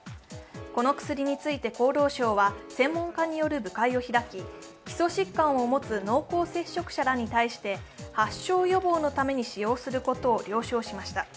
この薬について、厚労省は専門家による部会を開き基礎疾患を持つ濃厚接触者らに対して、発症予防のために使用することを了承しました。